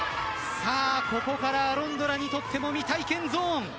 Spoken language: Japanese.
ここからアロンドラにとっても未体験ゾーン。